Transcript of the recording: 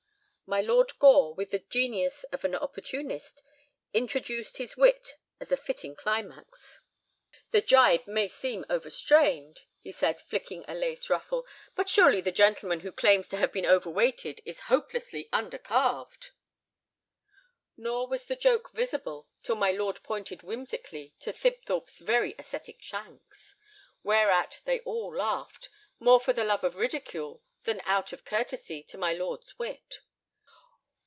My Lord Gore, with the genius of an opportunist, introduced his wit as a fitting climax. "The gibe may seem overstrained," he said, flicking a lace ruffle, "but surely the gentleman who claims to have been overweighted is hopelessly under calved." Nor was the joke visible till my lord pointed whimsically to Thibthorp's very ascetic shanks. Whereat they all laughed, more for the love of ridicule than out of curtesy to my lord's wit.